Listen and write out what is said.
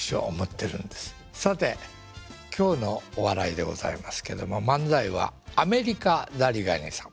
さて今日のお笑いでございますけども漫才はアメリカザリガニさん。